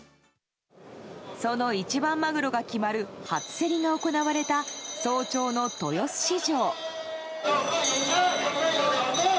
その一番マグロが決まる初競りが行われた早朝の豊洲市場。